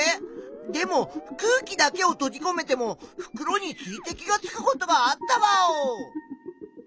でも空気だけをとじこめても袋に水滴がつくことがあったワオ！